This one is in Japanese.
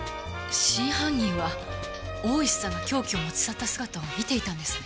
真犯人は大石さんが凶器を持ち去った姿を見ていたんですね。